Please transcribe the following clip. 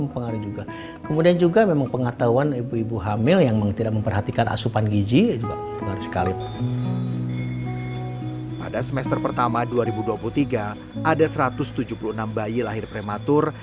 pada semester pertama dua ribu dua puluh tiga ada satu ratus tujuh puluh enam bayi lahir prematur